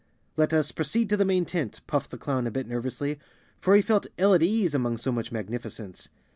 " Let us proceed to the main tent," puffed the clown a bit nervously, for he felt ill at ease among so much magnificence.